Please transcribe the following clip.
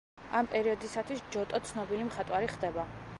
ამ პერიოდისათვის ჯოტო ცნობილი მხატვარი ხდება.